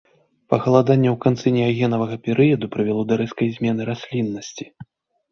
Пахаладанне ў канцы неагенавага перыяду прывяло да рэзкай змены расліннасці.